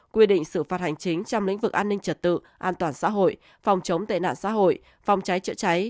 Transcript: quy định xử phạt hành chính trong lĩnh vực an ninh trật tự an toàn xã hội phòng chống tệ nạn xã hội phòng cháy chữa cháy